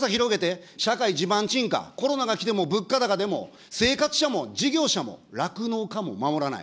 格差広げて、社会地盤沈下、コロナが来ても物価高でも生活者も事業者も酪農家も守らない。